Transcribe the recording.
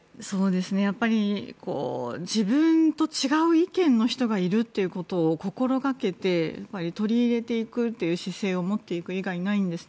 やっぱり自分と違う意見の人がいるっていうことを心掛けて取り入れていくという姿勢を持っていく以外にないんですね。